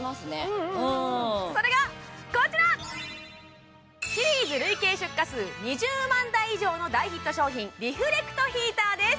うんうんうんうんそれがこちらシリーズ累計出荷数２０万台以上の大ヒット商品リフレクトヒーターです